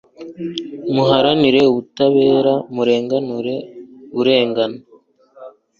muharanire ubutabera, murenganure urengana